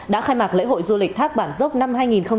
đã khai mạc lễ hội du lịch thác bản dốc năm hai nghìn một mươi chín